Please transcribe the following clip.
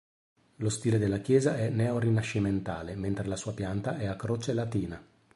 Lo stile della chiesa è neorinascimentale, mentre la sua pianta è a croce latina.